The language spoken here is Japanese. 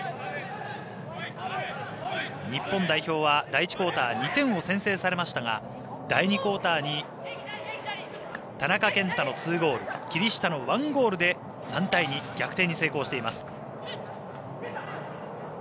日本代表は第１クオーター２点を先制されましたが第２クオーターに田中健太の２ゴール霧下の１ゴールで３対２逆転に成功しています。